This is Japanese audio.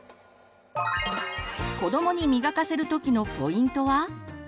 子どもに磨かせるときのポイントは？